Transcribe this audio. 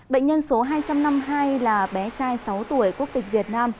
bệnh nhân số hai trăm năm mươi hai là bé trai sáu tuổi quốc tịch việt nam